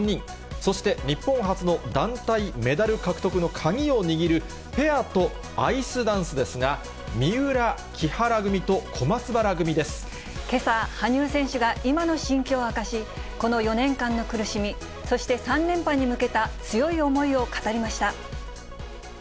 そして日本初の団体メダル獲得の鍵を握るペアとアイスダンスですが、けさ、羽生選手が今の心境を明かし、この４年間の苦しみ、そして３連覇に向けた強い思いを語りました。